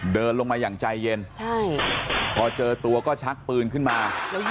เดินลงมาอย่างใจเย็นพอเจอตัวก็ชักปืนขึ้นมา